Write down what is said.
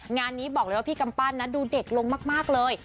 งานนี้ของพี่กำปั้๋นดูเด็กเลย